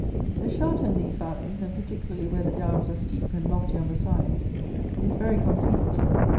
The shelter, in these valleys, and particularly where the downs are steep and lofty on the sides, is very complete.